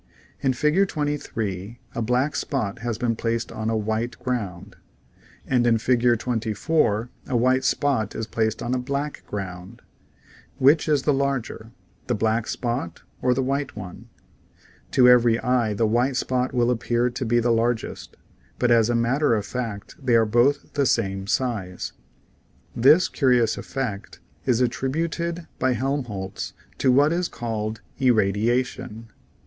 In Fig. 23 a black spot has been placed on a white Fig. 23. Fig. 24. ground, and in Fig. 24 a white spot is placed on a black ground ; which is the larger, the black spot or the white one ? To every eye the white spot will appear to be the largest, but as a matter of fact they are both the same size. This curious effect is attributed by Helmholtz to what is called irradiation.